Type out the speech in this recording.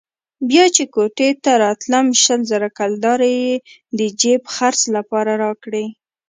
بيا چې کوټې ته راتلم شل زره کلدارې يې د جېب خرڅ لپاره راکړې.